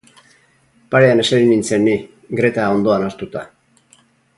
Parean eseri nintzen ni, Greta ondoan hartuta.